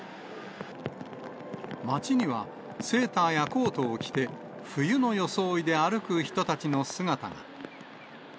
街には、セーターやコートを着て、冬の装いで歩く人たちの姿が。